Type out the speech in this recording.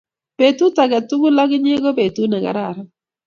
Petut ane tugul ak inye ko petut ne kararan